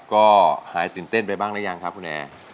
ก็หายตื่นเต้นไปบ้างหรือยังครับคุณแอร์